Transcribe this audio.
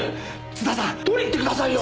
津田さん取りに行ってくださいよ！